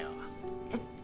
えっ？